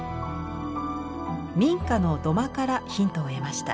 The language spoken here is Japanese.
民家の土間からヒントを得ました。